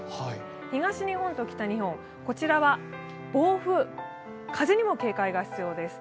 東日本と北日本、こちらは暴風、風にも警戒が必要です。